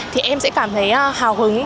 thì em sẽ cảm thấy hào hứng